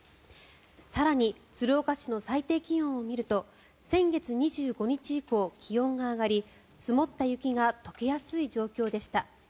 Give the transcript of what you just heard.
更に、鶴岡市の最低気温を見ると先月２５日以降、気温が上がり積もった雪が解けやすい状況でした。